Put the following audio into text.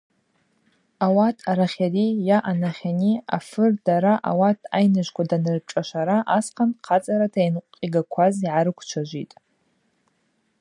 Ауат арахьари йа анахьани афыр дара ауат айныжвква данырпшӏашвара асхъан хъацӏарата йынкъвигакваз йгӏарыквчважвитӏ.